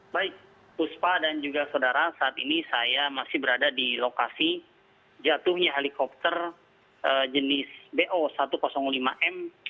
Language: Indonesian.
baik puspa dan juga saudara saat ini saya masih berada di lokasi jatuhnya helikopter jenis bo satu ratus lima m